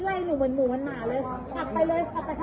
เบาด้วยเออไม่งั้นผมก็เห็นไหมเออเออเดี๋ยวเดี๋ยวเดี๋ยวเอา